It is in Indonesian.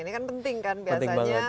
ini kan penting kan biasanya